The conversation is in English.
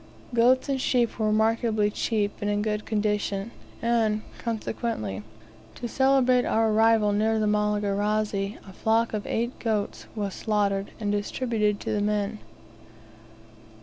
Goats and sheep were remarkably cheap, and in good condition; and, consequently, to celebrate our arrival near the Malagarazi, a flock of eight goats was slaughtered, and distributed to the men.